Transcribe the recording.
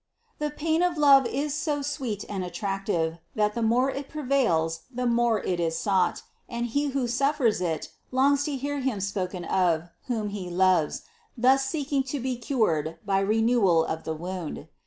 381. The pain of love is so sweet and attractive, that the more it prevails the more it is sought, and he who suf fers it, longs to hear him spoken of, whom he loves, thus 304 CITY OF GOD seeking to be cured by renewal of the wound.